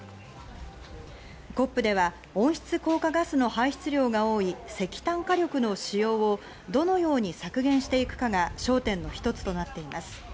ＣＯＰでは温室効果ガスの排出量が多い石炭火力の使用をどのように削減していくかが焦点の一つとなっています。